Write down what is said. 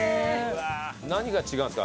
何が違うんですか？